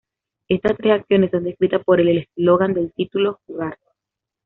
Estas tres acciones son descritas por el eslogan del título: "Jugar.